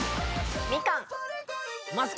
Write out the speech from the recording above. みかん。